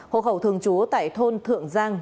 hộ khẩu thường trú tại thôn thượng giang